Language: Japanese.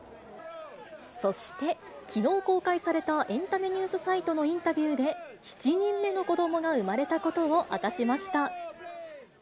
そして、きのう公開されたエンタメニュースサイトのインタビューで、７人目の子どもが生まれたことを明かしました。